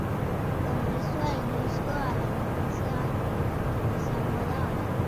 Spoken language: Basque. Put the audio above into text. Kongresua inoizko anitzena izango da orain.